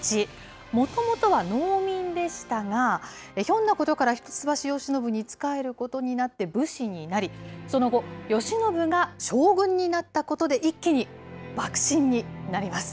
もともとは農民でしたが、ひょんなことから一橋慶喜に使えることになって、武士になり、その後、慶喜が将軍になったことで一気に幕臣になります。